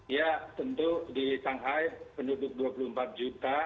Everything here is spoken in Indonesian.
ya tentu di shanghai penduduk dua puluh empat juta